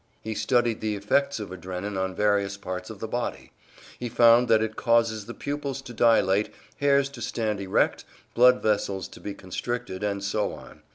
He studied the effects of adrenin on various parts of the body; he found that it causes the pupils to dilate, hairs to stand erect, blood vessels to be constricted, and so on.